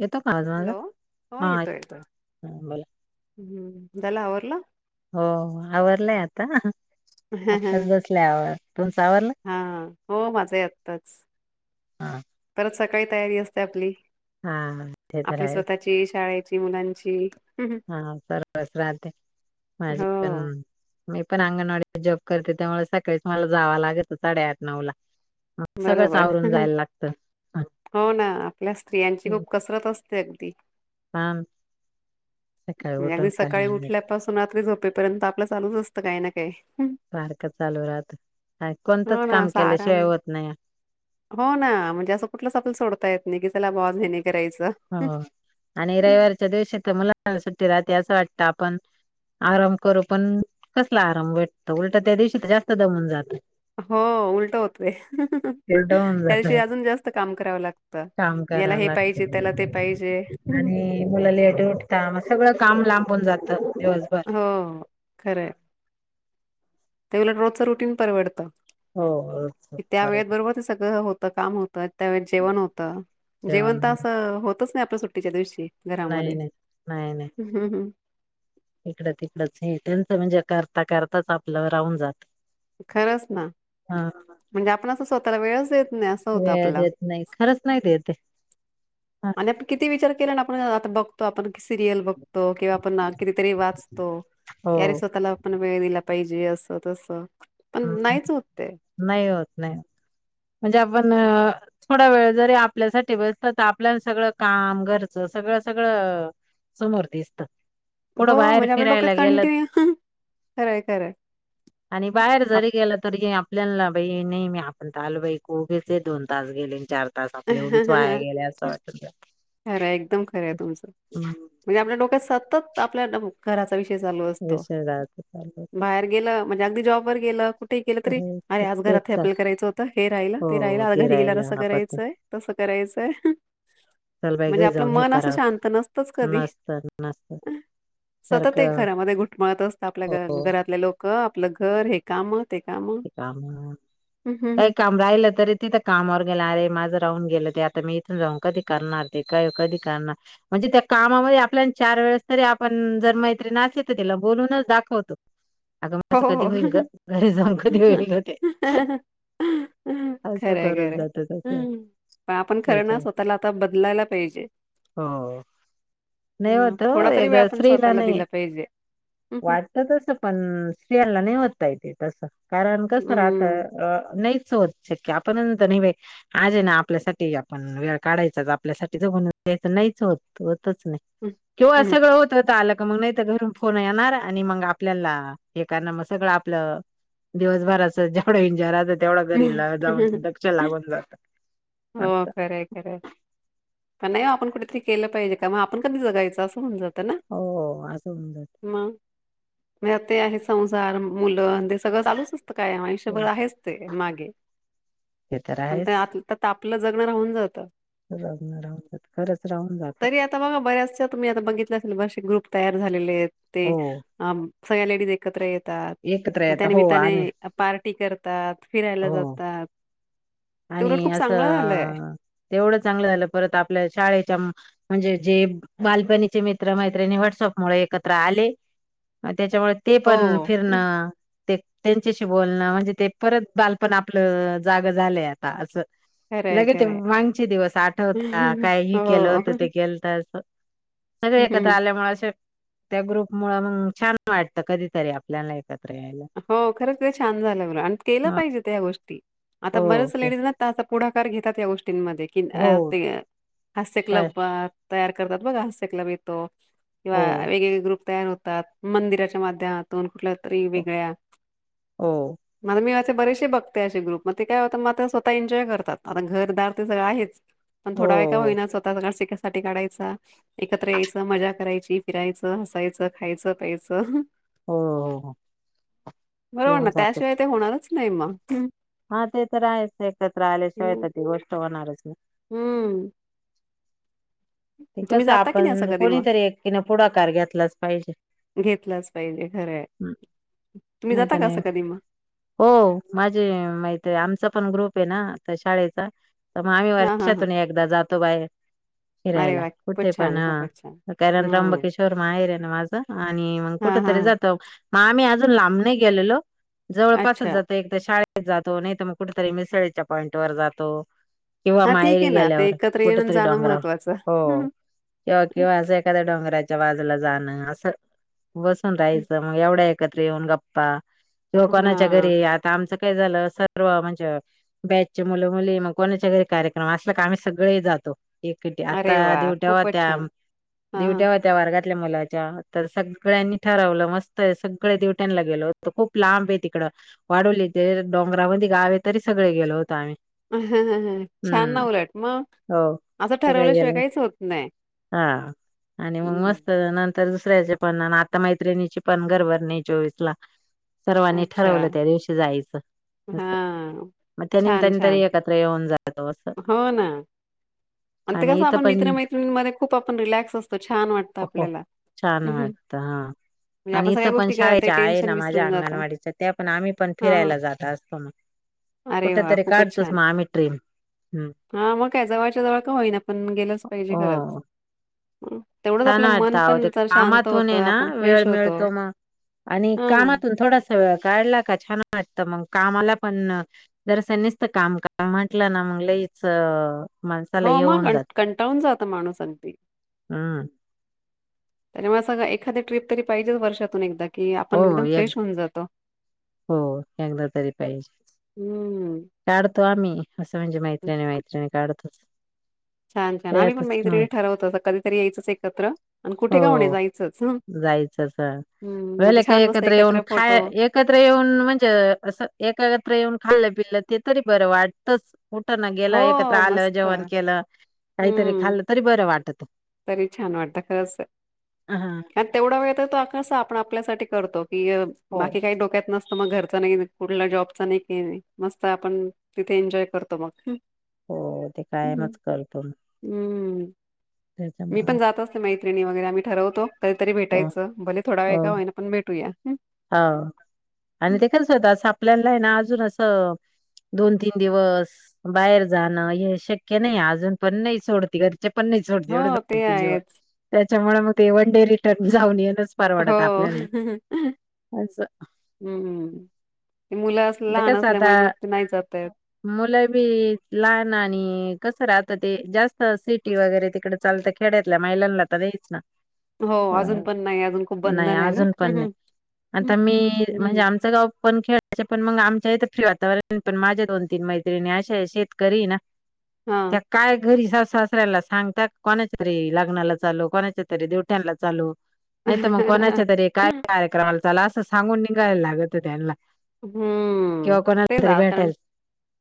येतो का आवाज माझा? हॅलो, हो हा येतोय येत येतोय, बोला. झाल आवरलं? हो आवरलय आता ह. आत्ताच ह. बसलंय आवर तुमचं आवरलं? हा. हो माझ ही आत्ताच. [unintelligible] हा परत सकाळी तयारी असते आपली. हा ते तर आपली आहेच स्वतःची शाळेची मुलांची. हा सर्व च राहंत. माज हो पन. मी पण अंगणवाडीत जॉब करते त्यामुळे. सकाळीच मला जावं लागेत साडे-आठ नऊ ला. सगळंच बरोबर. आवरून जायला लागतं. हा, हो ना आपल्या स्त्रियांची खूप कसरत असते. हा. नेहमी सकाळी उठल्यापासून. रात्री झोपेपर्यंत आपलं चालूच असतं काही ना काही. पार्क चालू राहत. कोणतच हो ना काम असा आराम केल्याशिवाय होत नाही. हो ना म्हणजे असं कुठलं स आपल सोडता येत नाही. चला बुवा आज हे नाही करायचं हो आणि रविवारच्या दिवशी तर मुलांना सुट्टी राहते असं वाटत. आता आपण. आराम करू पण. कसला आराम भेतो. उलट त्या दिवशी जास्त दमून जातं. हो उलट होतोय. उलट होऊन त्या जात दिवशी अजून जास्त काम करावं लागतं. याला कराव हे पाहिजे त्याला ते लागत. पाहिजे आणि मुलाला [unintelligible] काम पण जातं [unintelligible] हो खरं हाय. त्यावेळी रोजच रुटीग परवडत. हो त्या बरोबर वेळे बरोबर ते सगळं होत. काम होतं. त्यावेळेच जेवण होतं. जेवण तर असं होतच नाही आपल्या सुट्टीच्या दिवशी. नाही घरामध्ये नाही हम्म. इकडं-तिकडच हे त्यांचं म्हणजे. करता-करताच आपल राहून जात. खरंच ना. हा म्हणजे आपण असं स्वतःला वेळच देत नाही असं होतं वेळ आपला. देत नाही, खरंच नाही देत ते. आणि आपण किती विचार केला ना आपण आता बघतो आपण सिरियल बघतो किंवा आपण किती तरी वाचतो, हो की अरे स्वतःला आपण वेळ दिला पाहिजे असं तसं. पण हम्म हम्म, नाहीच होत ते नाही होत नाही म्हणजे आपण अ थोडा वेळ जरी आपल्यासाठी बसतं तर आपल्याला सगळं काम घरचं सगळं सगळं समोर दिसतं. हो कुठं बाहेर म्हणजे आपल्या फिरायला डोक्यात गेलं कंटिन्यू खरंय खरंय. आणि बाहेर आप जरी गेलं तरी ही आ आपल्याला नाई बाई, नाही मी आपण तर आलो बाई उगेचे दोन तास गेले अन चार तास आपले उगीच वाया गेले असं वाटत्या. खरंय एकदम खरं आहे तुमचं, म्हणजे आपल्या डोक्यात सत सत त आपल्या घरा चा विषय चालू असतो विषय जायच चालू होतं. बाहेर गेलम्हणजे अगदी जेव्हा गेलं कुठे गेलं तरी हो अर तर आज तेच घरात चाल आपल्या करायचं होतं हे राहिलं हो ते राहिलं आज घरी गेल्या राहिला असं करायच आपण य तसं करायचंय चल बाई म्हणजे घरी आपलं जाऊन हे मन असं करा शांत नसतच कधी नसत नसत सतत एक सारखं घरामध्ये घुटमळत असत हो आपल्या घरातले लोक आपलं घर हे काम ते काम काम हं, हं, काही हं. काम राहिलं तरी तिथं कामावर गेलं अरे माझं आ मी इथ जा कधी कर कधी कर म्हण त्या च वेळेस तरी आपण जर मैत्री ना अस तर तिला बोलूनच दाखवतो अगं हो, माझं कधी हो. होईल ग घरी जाऊन कधी होईल हो ते खरं असं करून खरं जात तस हम् त्याच्या पण आपण खरं ना स्वतःला आता बदलायला पाहिजे हो नाही मग होत हो थोडा तरी वेळ एकदा आपण स्त्रीला स्वतःला नाही दिला पाहिजे. हं, हं. वाटत तसं पण स्तियांला नाही होता येते तस कारण कसं राता हं, नाहीच होत शक्य आपण नंत नाही बा आज आहे ना आपल्यासाठी आपण वेळ काढायचाच आपल्यासाठी ज द्यायचं नाही त [unintelligible] मग हं, नाही तर घरून फोन येणार आणि मग आपल्याला हे करण मग सगळं आपलं दिवसभराच जेवढं एन्जॉय राहतं तेवढं घरी जाऊन हं. दक्ष लागून जातं हो खरंय खरंय पण नाही आपण कुठेतरी केलं पाहिजे का मग आपण कधीगाचं असं म्हण जात हो असं उजट म ते आहे संसार मुलं ते सगळं चालूच असतं काय आयुष्यभर हो आहेच ते मागे ते तर पण ते आहेच आ आपलं जगणं राहून जातं राहून राहून जात खरंच राहून जात तरी आता बघा बऱ्याचश तुम्ही आता बघितल्या स ग्रुप तयार झालेले आहेत ते हो सगळ्या लेडीज एकत्र आहेत एकत्र मग येत त्या हो आणि निमित्ताने पार्टी करतात फिरायला हो जातात ते उलट आणि खूप चांगलं झालंय असं तेवढं चांगलं झालं परत आपल्या शाळेच्या म्हणजे जे बालपणीचे मित्र मैत्रिणी व्हॉटसअप मु एकत्र आले त्याच्यामुळे ते हो पण फिरन ते त्यांच्याशी बोलणं म्हणजे ते परत बालपण आपलं जाग झालंय आता असं खरंय लगे ते खरंय वगचे दिवस आठवता काय ह केलं होतं ते हो केल तर सगळे एकत्र आल्यामुळे असे त्या ग्रुप मुळ मग छान वाटतं कधीतरी आपल्याला एकत्र यायला हो खरंच ते छान झालं ब आणि केलं ह पाहिजे गोष्टी आता बरच ओके लेडीज ना त पुढाकार घेतात या गोष्टींमध्ये कि हो हास्य काय क्लब तयार करतात बघ हसकला भितो किंवा हो वेगवेगळे ग्रुप तयार होतात मंदिराच्या माध्यमातून कुठल्यातरी हो हो. मला मी ते बरेसे बघते असे ग्रुप मग ते काय होतात मग ते स्वतः एन्जॉय करतात आता घरदार ते सगळं आहेच पण हो थोडा वळ का हो होईना होतािक सा काढायचा एकत्र यायचं मजा करायची फिरायचं हसायचं खायचं प्यायचं हो हो हो बरोबर ना येऊन त्याशिवाय जातच ते होणारच नाही मग हा ते तर आहेच एकत्र आल्याशिवाय तर ती गोष्ट होणारच नाही. हम्म ते कस नाही असं आपण कधी मग? कोणीतरी एकीन पुढाकार घेतलाच पाहिजे घेतलाच पाहिजे खरं नाहीत नाही हो माझे माहिती आहे आमचा पण ग्रुप ना शाळेचा तर मग आम्ही हां, हां, हां. वर्षातून एकदा जातो बाहेर अरे फिरायला वा! कुठे खूपच पण छान, खूपच छान. कारण हं. त्र्यबकिशोर म आहेर आहे ना माझ आणि मग कुठ हां, हां, तरी हां. आम्ही आज लांब नाही गेलो लो जवळपास अच्छा. जातो आम्ही एकदा शाळेला त जातो नाही तर मग कुठेतरी मिसळीच्या पॉइंट वर जातो. किंवा हां, ठीक माहेरी आहे ना. ते गेल्यावर एकत्र येणं कुठेतरी जाणं डोंगरावर. महत्वाचं. हो, केव्हा केव्हा असं एखाद्या डोंगराच्या बाजूला जाणं असं बसून राहायचं मग एवढा एकत्र येऊन गप्पा किंवा कोणाच्या हां. घरी आता आमचं काय झालं सर्व म्हणजे अ बॅचचे मुलं मुली मग कोणाच्या घरी कार्यक्रम असला का, आम्ही सगळे जातो. एकटे आता अरे वाह! दिवट्या खूपच होत्या, छान. बरं. दिवट्या होत्या वर्गात ल्या मुलाच्या, तर सगळ्यांनी ठरवलं मस्त आहे सगळे दिवट्यांना गेलो होतो, खूप लांब आहे तिकडं वाढवली ते डोंगरामध्ये गावए तरी सगळे गेलो होतो आम्ही. छान ना हम्म उलट मग, हो असं सगळे ठरवल्याशिवाय गेलो काय हा, आणि मग हं. मस्त नं तर दुसऱ्याचे पण आता मैत्रिणीची पण घरभरणी आहे चोवीसला. सर्वांनी ठरवलं त्या दिवशी जायचं. हा असं मग त्या छान निमतानी तरी छान एकत्र येऊन जातो असं हो ना आणिं ते आणि कसा इथं पण मित्रमैत्रिणी मध्ये. खूप आपण रिलॅक्स असतो. छान वाटत हो आपल्याला छान वाटत हा म्हणजे आणि आपण सगळ्या इथं पण गोष्टी ते शाळेच्या आहे टेन्शन ना. माझ्या विसरून जातो. अंगणवाडीच्या त्या पण आम्ही पण हां, हां. फिरायला जात असतो मग. अरे कुठ वाह! तरी खूपच काढतोच छान. मग आम्ही ट्रीप. हा मग काय जवळच्या-जवळ का होईना पण. गेलंच पाहिजे खरंच. हो हं, तेवढंच छान आपलं वाटत. मन आओ पण ते जर शांत कामतून होतं हायना आपण वेळ फ्रेश होतो मिळतो मग आणि हं. कामातून थोडासा वेळ काढला का छान वाटत. तर मग कामाला पण दरसनीच तर काम का म्हटलं ना मग लईच माणसाला हो हे मग होऊन जात. क कंटाळून जात माणूस अगदी. हम्म [inaudible] मग सगळं एखादी ट्ररीप तरी पाहिजेच वर्षातून एकदा. की हो आपण एकदम फ्रेश एक होऊन जातो. हो एकदा तरी पाहिजे. हम्म. काढतो आम्ही. असं म्हणजे मैत्रिणी-मैत्रिणी काढतोच. छान-छान आम्ही पण त्यातच मैत्रिणी नाही. ठरवतो. कधीतरी यायचंच एकत्र आणि कुठे का होईना हो जायचंच. जायचंच हा. हम्म मग ते वेले [unintelligible] काही छान मस्त एकत्र येऊन खाय फोटो एकत्र येऊन म्हणजे असं. एकत्र येऊन खाल्लं-पिलं त तरी बरं वाटतच. कुठना गेलं एकत्र हो आलं मस्त. जेवण केलं. काहीतरी हम्म खाल्लं तरी बरं वाटत. हस हा आणि तेवढा वेळ तर तो कस आपण आपल्यासाठी करतो हो. बाकी काही डोक्यात नसत. मग घरचा नाही. कुठल्या जॉबचा नाही. काय नाय मस्त आपण तिथे एन्जॉय करतो मग. हो ते हम् कायमच करतो मग हम्म मी त्याच्यामुळं पण जात असतो. मैत्रिणी वगैरे आम्ही ठरवतो. कधीतरी हो भेटायचं भले थोडा वेळ का होईना. पण भेटूया. हा आणि ते खच होत असं आपल्याला आहे ना अजून असं दोन-तीन दिवस बाहेर जाणं. हे शक्य नाही अजून पण नाही सोडते घरी. घरचे पण नाही सोडत. हो एवढ ते दोन-तीन दिवस आहेच त्याच्यामुळे मग ते वन डे रिटर्न जाऊन येणं हो असं हम्म मुलं अस ते लहान कस आता असल्यामुळे मग ते नाही जाता येत मुलं बी लहान आणि कसं रहात ते. जास्त सिटी वगैरे तिकडे चालतं खेड्यातल्या महिलांला तर यायलाच लागत. हो अजून पण नाही. अजून खूप नाही बंधन आहे ना. अजून पण नाही आता मी म्हणजे हम्म. आमचं गाव पण खेळाय [unintelligible] पण मग आमच्या इथ फ्री वातावरण. पण माझ्या दोन-तीन मैत्रिणी अश्या शेतकरी ना. त्या हा कायम घरीच असतात. सासऱ्याला सांगतात. कोणाच्या तरी लग्नाला चालो. कोणाच्या तरी देवठ्यांना चालो. नाही तर मग कोणाच्या तरी. काय कार्यक्रमाला चालो. असं सांगून निघायला लागत त्यांना हम्म. किंवा ते कोणाला तरी जा कारण भेटायला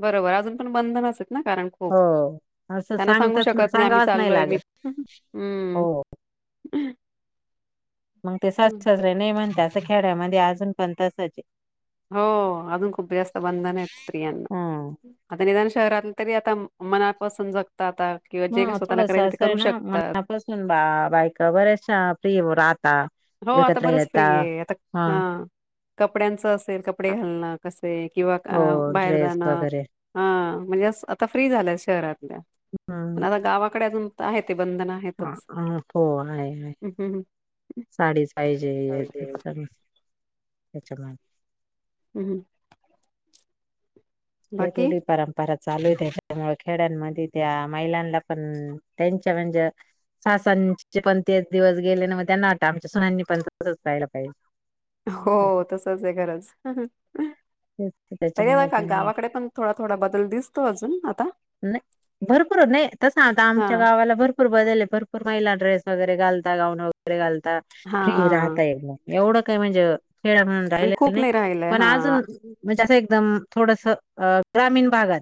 बरोबर आहे. अजून पण बंधन असत्यात ना कारण खूप हो असं त्यांना सांगू सांगताच शकत नाही आम्ही सांगावंच चाललोय मी लागत हम् हो मग ते सासू-सासरे नाही म्हणत्यात. असं खेड्यामध्ये अजून पण तसच आहे. हो अजून खुप जास्त बंदन आहेत स्त्रियायांना. हम्म आता निधान शहरात तरी आता मनापासून जग हा थोडस असं आहे ना. शकतात मनापासून बा बायका बऱ्याचशा फ्री राहतात. हा. हो आता बरच फ्री आहे. आता ह कपड्यांचं अस. कपडे घालणं कसे. किंवा हो बाहेर ड्रेस जाणं. वगैरे. हा म्हणजे आता फ्री झालय शहरातल्या. हं, पण आता गावाकडे अजून. आहे ते बंधन अ आहेतच प आयय [unintelligible] पाहिजे साडीच पाहिजे हम्म हम्म. असं. [inaudible] त्या च मॅ [unintelligible] हम्म. हम. हे रूढी परंपरा. चालू त्यामुळे खेड्यांमध्ये त्या. महिलांना पण. त्यांच्या म्हणजे सासवांचे पण तेच दिवस गेले. ना मग त्यांना वाटत आमच्या सुनांनी पण तसच राहायला पाहिजे. हो तसं तसच आहे खरच. तेच तरी त्याच्यामुळे पण त्यांनी गावाकडे पण थोडा-थोडा बदल दिसतो अजून. आता भरपूर नाही. तस आता हा आमच्या गावाला भरपूर बदल हाय भरपूर महिला ड्रेस वगैरे घालतात. गाऊन वगैरे घालतात. हा फ्री हा. राहतायत येएवढं काय म्हणजे. खेळा म्हणून म्हणजे राहिलेला का खूप नाही राहिलय पण. हा अजून म्हणजे असं एकदम थोडस ग्रामीण भागात.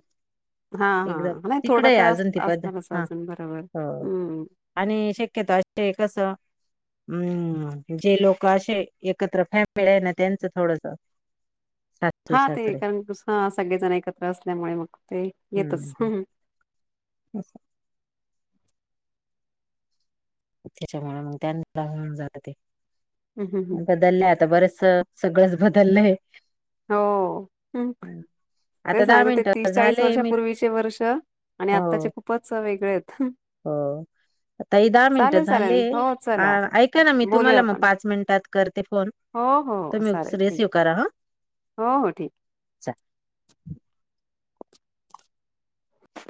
हा. हा. एकदम नाही थोडा तिकडे आहे तर अजून ती पद्धत असणारच हा अजून बरोबर हो हम्म.. आणि शक्यताे ते कस. हम्म जे लोक असे एकत्र फॅमिली आहे ना. त्यांचं थोडस सासू हा ते सासरे कारण सगळेजण एकत्र असल्यामुळे मग ते येतच हम्म... बस. त्याच्यामुळे त्या होऊन जात ते. हम्म, हम्म. बदलय आता बरेच स सगळंच बदललंय. हो हम्म. आता तेच दहा सांगते ते मिनिटं तीस-चाळीस झाले वर्षा मी पूर्वीचे वर्ष आणि हो आत्ताचे खूपच वेगळे आहेत. हो ताई दहा मिनिटं चालेल चालेल झाले. हो चला ऐका ना मी बोलूया तुम्हाला मग आपण पाचमिनट. ते फोन हो हो तुम्ही चालेल ठीक रिसिव करा हा. हो हो ठीक चा